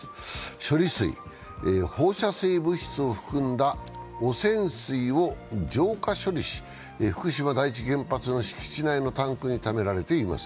処理水は放射性物質を含んだ汚染水を浄化処理し福島第一原発の敷地内のタンクにためられています。